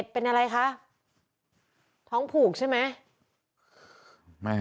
เป็นอะไรคะท้องผูกใช่ไหม